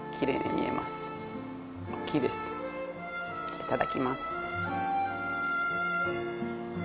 いただきます